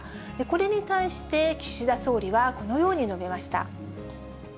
これに対して岸田総理は、このように述べました。